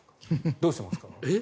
どうしてますか？